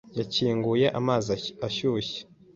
yakinguye amazi ashyushye.